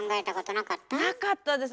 なかったです。